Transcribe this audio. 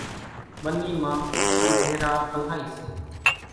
ٻنِي مان ڪنڍيرا الائِي سي۔